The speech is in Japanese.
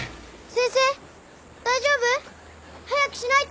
先生大丈夫？早くしないと。